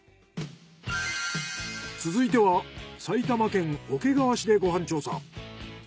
続いては埼玉県桶川市でご飯調査。